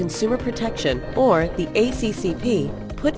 giúp các doanh nghiệp xử lý các quy luật đó